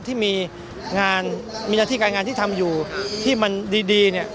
ที่มีงานมีหน้าที่การงานที่ทำอยู่ที่มันดีเนี่ย